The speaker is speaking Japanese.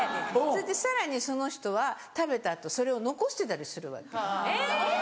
それでさらにその人は食べた後それを残してたりするわけ。